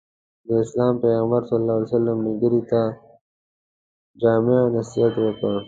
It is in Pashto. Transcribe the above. د اسلام پيغمبر ص ملګري ته جامع نصيحت وکړ.